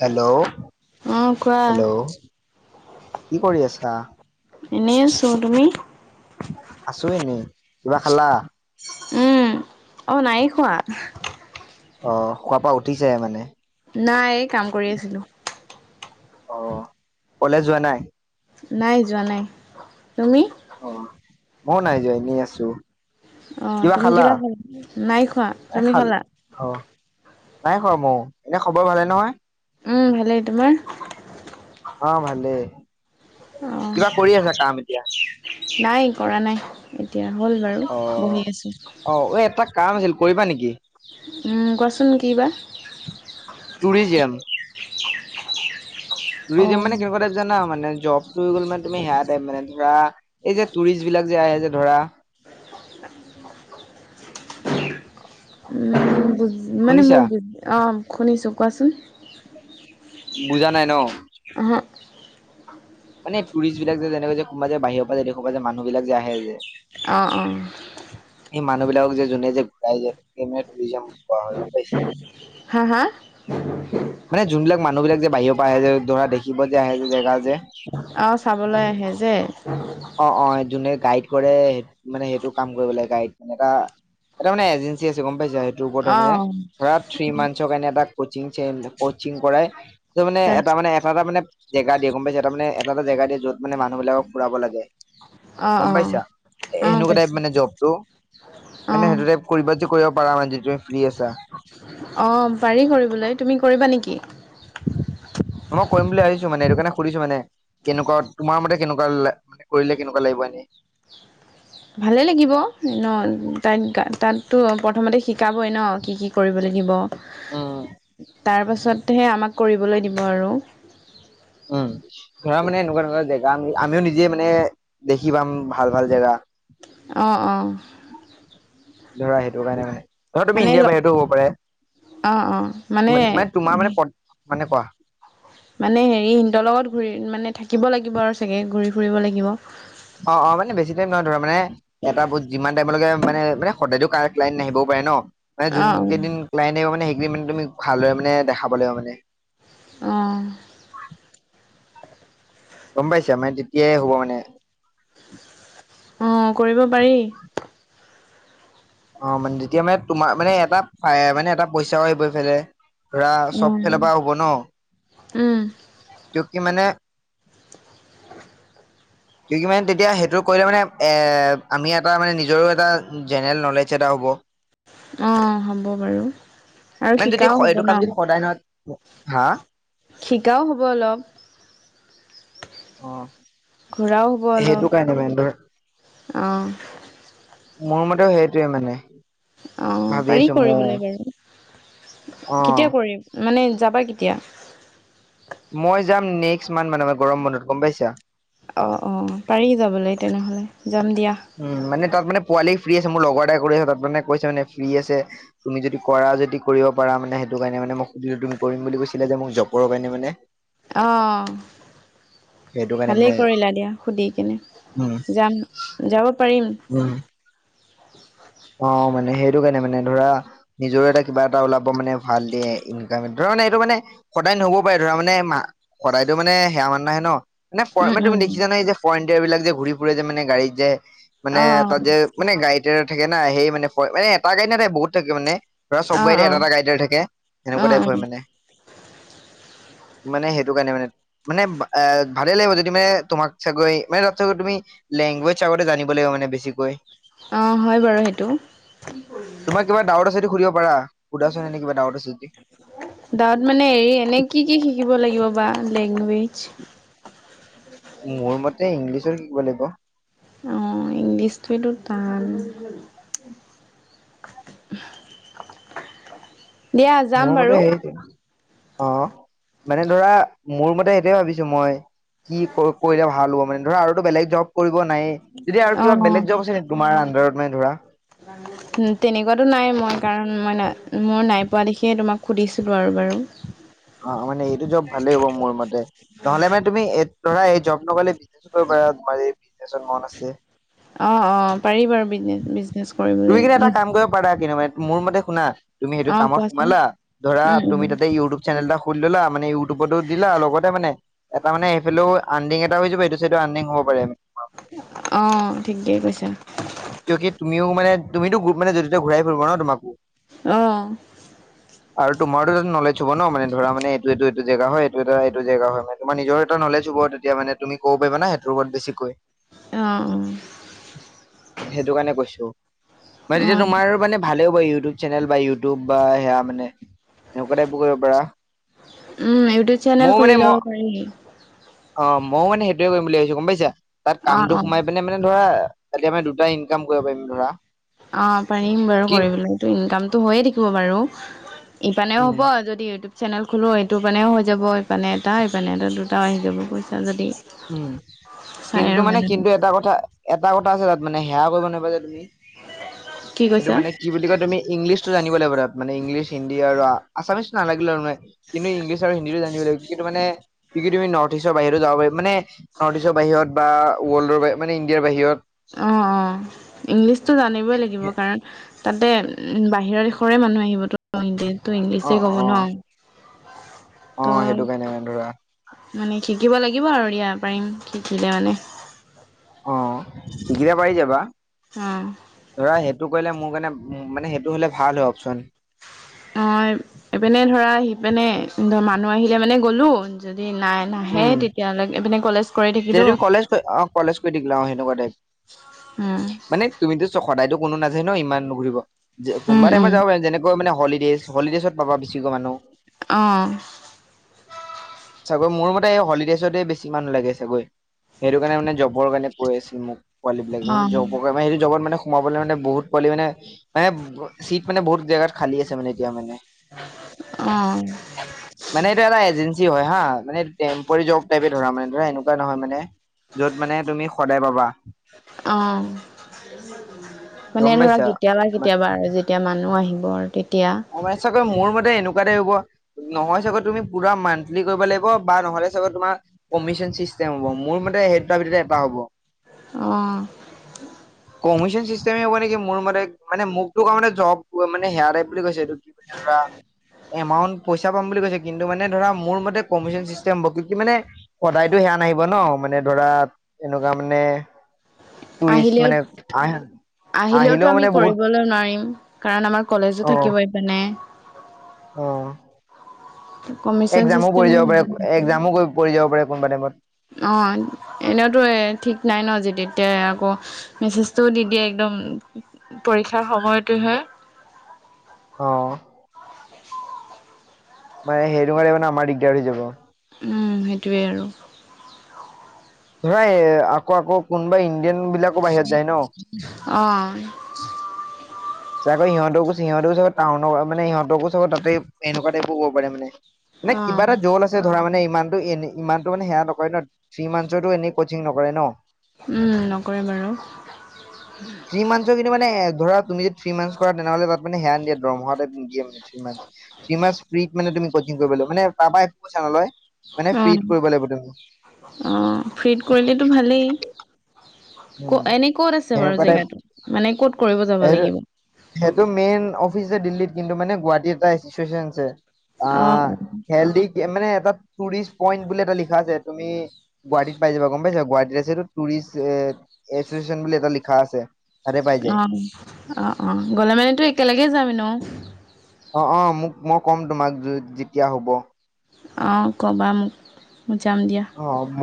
Hello, অ কোৱা ' hello. কি কৰি আছা। এনে আছো, তুমি। আছোঁ এনে, কিবা খালা। উম, অ নাই খোৱা। অ খোৱাৰ পৰাা উঠিছাহে মানে। নাই এই কাম কৰি আছিলো। অ, কলেজ যোৱা নাই। নাই যোৱা নাই, তুমি। মই নাই যোৱা এনে আছো। আহ তুমি কিবা খা- নাই খোৱা এ তুমি খাল খালা। অ' নাই খোৱা মইও এনে খবৰ ভালে নহয়। উম, ভালেই। তোমাৰ? অ, ভালেই। অ কিবা কৰি আছা কাম এতিয়া? নাই কৰা নাই। এতিয়া হ'ল বাৰু অ' বহি আছোঁ। অ' এই এটা কাম আছিল কৰিবা নেকি? উম কোৱাচোন কি বা? টুৰিজিয়েম। অ ট্যুৰিজিয়েম মানে কেনেকুৱা টাইপ জানা মানে জব? লৈ গ'ল মানে তুমি হেয়া টাইপ মানে ধৰা, এই যে ট্যুৰিষ্ট বিলাক যে, আহে যে, ধৰা [inaudible] বুজ মানে মো শুনিছা? বুজ অ, শুনিছো কোৱাচোন। বুজা নাই ন? অহ। মানে ট্যুৰিষ্ট বিলাক যে, যেনেকৈ যে কোনোবা যে বাহিয় পা যে দেশ পা যে মানুহ বিলাক যে আহে যে অ, অ। মানুহবিলাকক যে, জোনে যে ঘূৰাই যে [unintelligible] ট্যুৰিজিয়াম কয়া হয় গম পাইছে। হা হা মানে জোনবিলাক মানুহ বিলাক যে বাহিৰৰ পা আহে যে ধৰা, দেখিব যে আহে যে জেগা যে অ, চাবলৈ আহে যে অ অ যোনে গাইড কৰে মানে সেইটো কাম কৰিবলে। গাইড মানে এটা এটা মানে এজেঞ্চি আছে গম পাইছা? সেইটো অ [unintelligible] মানে ধৰা থ্ৰী মান্থছৰ কাৰণে এটা ক'চিং চেন কচিং কৰাই, তো মানে তাৰ এটা মানে এটা এটা মানে জেগা দিয়ে গম পাইছা। এটা মানে এটা এটা জেগা দিয়ে, য'ত মানে মানুহবিলাক ফুৰাব লাগে। অ গম অ পাইছা? এ অ হেনেকুৱা টাইপ পাইছো মানে জবটো। মানে অ সেইটো টাইপ কৰিবা যদি কৰিব পাৰা মানে যদি তুমি ফ্ৰী আছা। অ', পাৰি কৰিবলৈ তুমি কৰিবা নেকি? মই কৰিম বুলি ভাবিছোঁ মানে এইটো কাৰণে সুধিছো মানে। কেনেকুৱা তোমাৰ মতে কেনেকুৱা লা মানে কৰিলে কেনেকুৱা লাগিব এনেই ভালেই লাগিব ন? তাইত গা তাত টো প্ৰথমতে শিকাবই ন', কি কি কৰিব লাগিব। উম। তাৰপাছতহে আমাক কৰিবলৈ দিব আৰু উম ধৰা, মানে এনেকুৱা ধৰণৰ জেগা আমি আমিও নিজে মানে, দেখি পাম ভাল ভাল জেগা। অ, অ। ধৰা সেইটো কাৰণে মানে, ধৰা তুমি মানে ইণ্ডিয়াৰ বাহিৰতো হ'ব পাৰে। অ' অ' মান মানে তোমাৰ মানে পদ মানে কোৱা। মানে হেৰি সিহঁতৰ লগত ঘূৰি মানে থাকিব লাগিব আৰু চাগে ঘূৰি ফুৰিব লাগিব। অ, অ। মানে বেছি টাইম নহয় ধৰা মানে এটা বজ যিমান টাইমলৈকে মানে মানে সদায় ক্লা-ক্লাইণ্ট নাহিবও পাৰে ন? মানে যোন অ' কেইদিন ক্লাইণ্ট আহিব মানে সে মি মানে তুমি ভালদৰে মানে দেখাব লাগিব মানে। অ' গম পাইছা? মানে তেতিয়াই হ'ব মানে অ' কৰিব পাৰি। অ, মানে তেতিয়া মানে তোমাৰ মানে এটা পাই মানে এটা পইচাও আহিব এইফালে। ধৰা, অ' চব ফেলৰ পা হ'ব ন? উম। কিওকি মানে কি কি মানে তেতিয়া সেইটো কৰিলে মানে, এ আমি এটা মানে নিজৰো এটা জেনেৰেল নলেজ এটা হ'ব। অ, হ'ব বাৰু। আৰু মানে যদি শিকাও হ'ব এইটো ন। কাম যদি সদায় নহয়, হা? শিকাও হ'ব অলপ। অ,। ঘূৰাও হ'ব সেইটো কাৰণে মানে ধৰ অলপ অঁ মোৰ মতে সেইটোৱে মানে অ ভাবি পাৰি আছো ময়ো কৰিবলৈ বাৰু অ কেতিয়া কৰিম মানে যাবা কেতিয়া? মই যাম নেক্সট মান্থ মানে মে গৰম বন্ধত গম পাইছা। অ -অ পাৰিি যাব লাগ তেনেহলে যাম দিয়া উম মানে তাৰ মানে পোৱালি ফ্ৰী আছে মোৰ লগৰ এটাই কৰি আছে তাত মানে কৈছে মানে ফ্ৰী আছে তুমি যদি কৰা যদি কৰিব পাৰা মানে সেইটো কাৰণে মান মোক সুধিলো তুমি কৰিম বুলি কৈছিলা যে মোক জপৰ কাৰণে মানে আহ সেইটো কাৰণে মানে ভালেই কৰিলা দিয়া সুধি কেনে উম, যাম যাাৱ পাৰি উম। অ 'মানে সেইটো কাৰণে মানে ধৰা নিজৰ এটা কিবা এটা ওলাব মানে ভাল দিয়ে ইনকামে ধৰা নে এইটো মানে সদায় নহ'ব পাৰে ধৰা মানে ম সদায়তো মানে সেয়া মানুহ নাহে ন মানে উম, ম উম, তুমি দেখিছাাই এই যে ফৰেণ্টিয়াৰ বিলাক যে ঘূ ফুৰে যোনে গাড়ীত যে। মানে তাত অ', যে মানে গাইট থাকে না সেই মানে মানে এটা গাই ন তাই বহুত থাকে মানে ধৰা চব অ', অ', গাড়ীতেএটা এটা গাডডৰে থাকে এনেকুৱা অ', টাইপ হয় অ', মানে মানে সেইটো কাৰণে মানে মানে ভালেই লাগিব যদি মানে তোমাক চাগৈ মানে ত চাগৈ তুমি লেংগুৱেজ আগতে জানিব লাগিব মানে বেছিকৈ অ', হয় বাৰু সেইটো তোমাৰ কিবা ডাউট আছে সটো সুৰিব গৱত মানে হেৰি এনে কি কি শ কিব লাগিব বা লেংগুৱেজ মোৰ মতে ইংলিছৰ কি ক লাগিব অ' ইংলিছটোৱো টান দিয়া যাম মোৰ বাৰু মতে সেইটোৱে অ, মানে ধৰা মোৰ মতে সেইটয়ে ভাবিছো মই কি কৰিলে ভাল হ'ব মানে ধৰ আৰুো বেলেগ জব কৰিব নাই যদি আৰু কিবা অ', বেলেগ জব আছে নেকি তোমাৰ আডাৰত মানে ধৰা তেনেকুৱাতো নাই মই কাৰণ মই মোৰ নাই পোৱা দেখিয়ে তোমাক সুধিছিলো আৰু বাৰু। অ, মানে এইটো জব ভালেই হ'ব মোৰ মতে নহলে মানে তুমি এই ধৰা এই জব নক'লে বিজনেছো কৰিব পাৰা তমাৰ মন আছে অ', অ', পাৰি বাৰু বিজনেচ বিজনেচ তুমি কৰিবলৈ কিন্তু এটা কাম কৰিব পাৰা। কি মানে মোৰ মতে শুনা তুমি সেইটো অ' কামত কোৱাচোন সোমালা ধৰা উম, তুমি উম, তাতে ইউটিউব নেল এটা সুুলি ললা মানে ইউটিউবতো দিলা লগতে মানে এটা মানে সেইফালেও আণ্ডং এটা হৈ য সটো চটো আন্দিং হব পাৰে আমি অ' ঠিকেই কৈছা ক কি তুমিও মানে তুমিতো গু মানেড়িত ঘৰাই ফৰিব ন তমাকো অহ ', আৰু তোমাৰো নলেজ চব ন মানে ধৰা মে এইটো - এইটো জেগা হয় এইটো এটা এইটো জেগা হয় মে তোমাৰ নিজৰ এটা নলে চুব তেতি মানে তুমি ক না সেইটোৰ ওপৰত বেছিকৈ অ', অ', সেইটো কাৰণে কৈছো। মান তেতিয়া অ', তোমাৰ মানে ভালেও ব ইউটিউব চেনেল বা ইউটিউব বা সেয়া মানে এনেকুৱা কৰিব টাইপো পাৰা উম, ইউটিউব চেনেল মই খুলি মানে ম ল'ব পাৰি অ, ময়ো মানে সেইটোয়ে কৰিম বুলি ভাবিছো গম পাইছা তাত অ', কামটো অ', সোমাই পিনে মানে ধৰা তালতে আমি দুটা ইনকাম কৰিব পাৰিম ধৰা। অ, পাৰিম বাৰু কিন কৰিবেলটো ইনকামতটো হৈয়ে থাকিব বাৰু। পানেও উম হ'ব যদি ইউটিউব চেনেল খো এইটো মানেও হৈ যাব ইপানে এটা - ইপানে এটা দুটাও আহি যাব পইচা যদি উম, চাই কিন্তু আৰু মানে মানুহে কিন্তু এটা কথা এটা কথা আছে তাত মানে সেয়া কৰিব নাপাই যে তুমি কি এইটো কৈছা মানে কি বুলি কয় তুমি ইংলিছতটো জানিব লাগিব তাত মানে ইংলিছ হিন্দী আৰু আ-আছামিচ নালাগিলে। কিন্তু ইংলিছ আৰু হন্দীতো জানিব লাগিব কিন্তু মানে কি তুমি নৰ্থ ইষ্টৰ বাহিৰত যাব পাৰিব মানে। নৰ্থ ইষ্টৰ বাহিৰত বা ৱৰ্ল্ডৰ মানে ইণ্ডিয়াৰ বাহিৰত। অ - অ ইংলিছতটো জানিবই লাগিব কাৰণ তাতে বাহিৰৰ। ঘৰে মানুহ আহিব। ত অ ইংলিছে কব অ ন অ ত সেইটো কাৰণে মানে ধৰা মানে শিকিব লাগিব আৰু ইয়াাৰ পাৰিম শিকিলে মানে। অ', গিৰাবাৰী যাবা। অহ', টো কৰিলে মোৰ কাৰণে মানে সেইটো হ'লে ভাল হয় অপশচন। অ', এইপিনে ধৰা আহিপিনে ধ মানুহ আহিলে মানে গ'লো। যদি নাই নাহে উম তেতিয়ালৈকে ইপিনে কলেজ কৰি যেতিয়া থাকিলো। তুমি কলেজ অ কলেজ কৰি থাকিলা অ সেনেকুৱা টাইপ উম, মানে তুমিতো চ সদায়তো কোনো নাযায়ে ন ইমান নুঘুৰিব যে উম, কোনোবা উম, টাইমত যাব পাৰিম যেনেকৈ মানে। হলিডেজ-হলিডেজত পাবা বছিকৈ মানুহ। অহ', চাগৈ মোৰ মতে এই হলিডেজতে বেছি মানুহ লাগে চাগৈ সেইটো কাৰণে মানে জবৰ কাৰণে কৈ আছিল মোক। পোৱালী বিলাক মানে অ', জব - জবত মানে সোমাব মান বহুত পোৱালি মানে মানে চিট মানে বহুত জেগাত খালী আছে মানে এতিয়া মানে। অ', মানে এইটো এটা এজেঞ্চি হয় হা মানে টেম পৰি জব টাইপে ধৰা মানে ধৰা এনেকুৱা নহয় মানে। য'ত মানে তুমি সদায় পাবা। অ', মানে গম ধৰা পাইছা কেতিয়াবা কেতিয়াবা আৰু যেতিয়া মানুহ আহিব। আৰু তেতিয়া অ, হয় চাগে [unintelligible] কৈ মোৰ মতে এনেকুৱাতে হব। নহয় চাগত তুমি পুৰা মান্থলি কৰিব লাগিব বা নহলে চাগে তোমাৰ কমিশন চিচটেম হ'ব মোৰ মোৰ মতে সেই দুটাৰ ভিতৰত এটা হ'ব। অ', কমিচন চিষ্টেমে হ'ব নেকি মোৰ মতে মানে মোকটো কাৰ মান জব মানে হেয়া টাইপ কৈছে এইটো কি বুলে কোৱা এমাউণ্ট পইচা পাম বুলি কৈছে কিন্তু মানে ধৰা মোৰ মতে কমিশন চিষ্টেম হব কিউকি কি মানে সদায়টো সেয়া নাই [unintelligible] ন মানে ধৰা এনেকুৱা মানে টুৰিষ্ট আহিলেও মানে আহ আহিলেওতো আহিলেও আমি মানে বহুত কৰিবলৈ নোৱাৰিম। কাৰণ আমাৰ কলেজো অ থাকিব ইপিনে। অ', কমিশন এক্সামো চিষ্টেম পৰি যাব পাৰে এক্সামো পৰি যাব পাৰে কোনোবা টাইমত। অ', এনেওতো এ ঠিক নাই ন যে তেতিয়া আকৌ মেছেজটোও দি দিয়ে একদম পৰীক্ষাৰ সময়টোহে অ', মানে সেইটোকাৰণে মানে আমাৰ দিগদাৰ হৈ যাব। উম, সেইটোৱেই আৰু। ধৰা আকৌ আকৌ কোনোবা ইণ্ডিয়ান বিলাকো বাহিৰত যায় ন। অ', চাগৈ সিহঁতকো সিহঁতকো চাগে টাউনৰ মানে, সিহঁতকো চব তাতে এনেকুৱা টাইপ ক'ব পাৰে মানে। মানে অ কিবা এটা জ্বল আছে ধৰা মানে ইমানতটো এনে ইমানটো মানে সেয়া নকৰে ন, থ্ৰী মন্থছৰটো এনেই কোচিং নকৰে ন'। উম নকৰে বাৰু থ্ৰী মন্থছৰ কিন্তু মানে ধৰা তুমি যদি থ্ৰী মান্থছ কৰা তেনেহ'লে তাত মানে সেয়া নিদিয়ে দৰমহা টাইপ নিদিয়ে। থ্ৰী মাঞ্চ ‍‍থ্ৰী মাঞ্চ ফ্ৰীত মানে তুমি কচিং কৰিব লাগিব মানে কাৰোপৰা একো পইচা নলয়। মানে ফ্ৰীত অ', কৰিব লাগিব তুমি অ', ফ্ৰীত কৰিলেতো ভালেই। ক উম এনে ক'ত আছে বাৰু সেনেকুৱা টাইপ জেগাটো মানে ক'ত কৰিব যাব এইটো লাগিব? সেইটো মেইন অফিচ আছে দিল্লীত কিন্তু মানে গুৱাহাটী এটা ইনষ্টিটিউচন আছে। অ', হেল্দি মানে এটা টুৰিষ্ট পইণ্ট বুলি এটা লিখা আছে। তুমি গুৱাহাটীত পাই যাবা গম পাইছা গুৱাহাটীত আছেটো টুৰিষ্ট এ এছচিয়েচন বুলি এটা লিখা আছে। তাতে পাই যায় অ', অ', অ' গলে মানেতো একেলগে যাম এনেও। অ', অ', মোক মই ক'ম তোমাক যেতিয়া হ'ব। অ', ক'বা মোক। মই যাম দিয়া অ 'অ', ম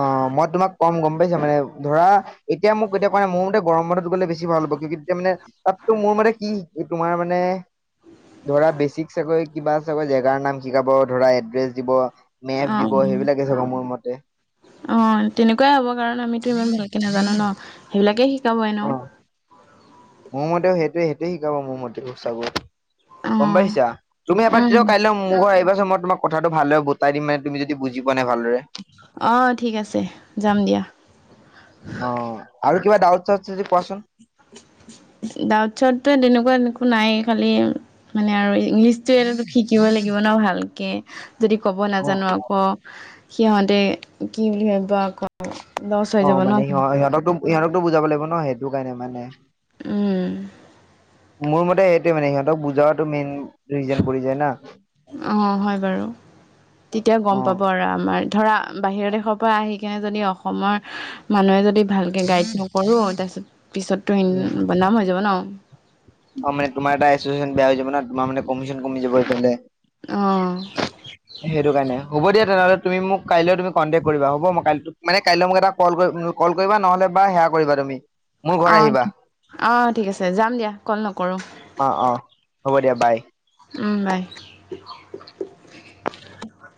অ', মই তোমাক কম গম পাইছো মানে ধৰা, এতিয়া মোক এতিয়া কোৱা নাই মোৰ মতে গৰমত বন্ধত গ'লে বেছি ভাল হ'ব কিউকি তেতিয়া মানে তাত তটো মোৰ মতে কি তোমাৰ মানে ধৰা বেচিকছ চাগৈ কিবা চাগৈ জেগাৰ নাম শিকাব ধৰা এড্ৰেছ দিব। মেপ দিব সেইবিলাক অ', তেনেকুৱাই হ'ব কাৰণ আমিতো ইমান ভ কে নাজানো ন সেইবিলাকেই শিক অ', মোৰ মতেও সেইটোৱে সেইটোৱে শিকাব মোৰ মতে চাগৈ। গম অঁ পাইছা তুমি এবাৰ উম তেতিয়া কাইলৈ মোৰ ঘৰ আহিবা সময়ত তোমাক কথাটো ভালদৰে বটাই দিম মানে তুমি যদি বুজি পোৱা নাই ভালদৰে অ', ঠিক আছে, যাম দিয়া। অ', আৰু কিবা ডাউট চাউট আছে যদি কোৱাচোন। ডাউতছতো তেনেকুৱা একো নাই খালি মানে আৰু ইংলিছটোয়েটো শিকিব লাগিব ন ভালকে। যদি ক'ব অ নাজানো আকৌ সিহঁতে কি বুলি ভাবিব আকৌ। লছ হৈ অ', যাব ন মানে সহত সিহঁতকতো সিহঁতকতো বুজাব লাগিব ন সেইটো কাৰণে মােনে। উম মোৰ মতে সেইটোয়ে মানে সিহঁতক বুজোৱাটো মেইন দুই জন পৰি যায় ন। অ' হয় বাৰু তেতিয়া অ গ'ম পাব আৰু আমাৰ ধৰা। বাহিৰৰ দেশৰ পৰা আহি কেনে যদি অসমৰ মানুহে যদি ভালকে গাইড নকৰো তাৰপিছত। পিছততো উম। বদনাম হৈ যাব ন। অ মানে তোমাৰ এটা এছচিয়েচন বেয়া হৈ যাব ন তোমাৰ মানে কমিচন কমি যাব। অ', সেইটো কাৰণে হ'ব দিয়া। তেনেহ'লে তুমি মোক কাইলৈ তুমি কণ্টেক্ট কৰিবা হ'ব। মই কাই মানে কাইলৈ মোক এটা ক কল কৰিবা নহ'লে বা সেয়া। কৰিবা তুমি মোৰ ঘৰ আহিবা। অ'ঠিক আছে যাম দিয়া কল নকৰোঁ। অ' অ' হ'ব দিয়া বাই। উম। বাই। [inaudible]